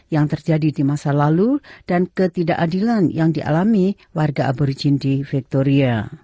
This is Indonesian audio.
yang terjadi di masa lalu dan ketidakadilan yang dialami warga aborigin di victoria